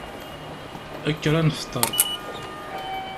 Kker ad nefteṛ.